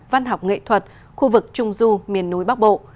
văn học nghệ thuật khu vực trung du miền núi bắc bộ